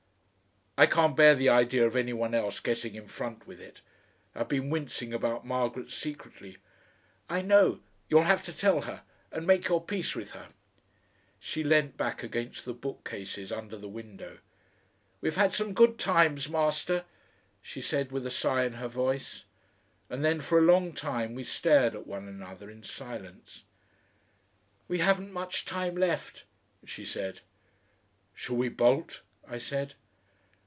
"I can't bear the idea of any one else getting in front with it. I've been wincing about Margaret secretly " "I know. You'll have to tell her and make your peace with her." She leant back against the bookcases under the window. "We've had some good times, Master;" she said, with a sigh in her voice. And then for a long time we stared at one another in silence. "We haven't much time left," she said. "Shall we bolt?" I said.